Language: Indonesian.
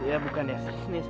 sinis ya bukan ya sinis